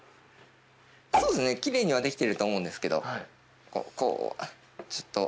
そうですね奇麗にはできてると思うんですけどこうちょっと。